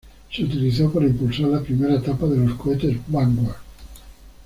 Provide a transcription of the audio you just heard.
Se utilizó para impulsar la primera etapa de los cohetes Vanguard.